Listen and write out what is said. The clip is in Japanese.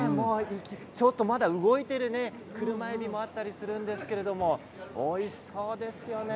ちょっとまだ動いている車えびもあったりするんですけれどおいしそうですね。